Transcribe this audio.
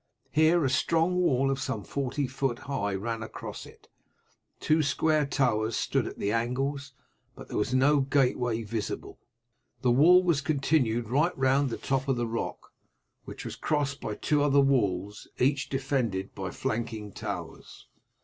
Here a strong wall some forty feet high ran across it; two square towers stood at the angles, but there was no gateway visible. The wall was continued right round the top of the rock, which was crossed by two other walls each defended by flanking towers.